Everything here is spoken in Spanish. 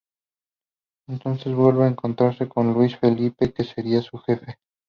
Entonces vuelve a encontrarse con Luis Felipe, que será su jefe.